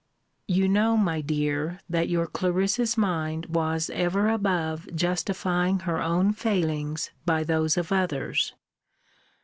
You know, my dear, that your Clarissa's mind was ever above justifying her own failings by those of others.